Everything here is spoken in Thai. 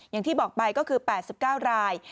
อย่างที่บอกไปก็คือ๘๙ราย